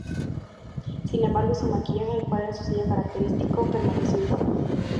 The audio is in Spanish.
Sin embargo, su maquillaje, el cual era su sello característico, permaneció igual.